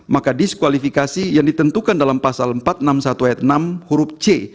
maka diskualifikasi yang ditentukan dalam pasal empat ratus enam puluh satu ayat enam huruf c